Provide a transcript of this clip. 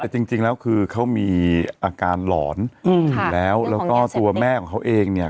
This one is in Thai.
แต่จริงแล้วคือเขามีอาการหลอนอยู่แล้วแล้วก็ตัวแม่ของเขาเองเนี่ย